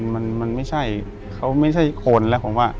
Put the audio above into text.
มันไม่ใช่เขาไม่ใช่คนแล้วผมว่า